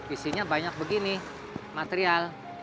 isinya banyak begini material